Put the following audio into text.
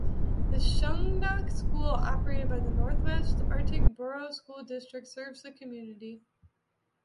The Shungnak School, operated by the Northwest Arctic Borough School District, serves the community.